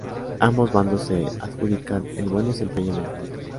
Ambos bandos se adjudican el buen desempeño en el combate.